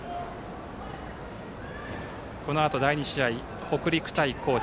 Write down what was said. このあと、第２試合は北陸対高知。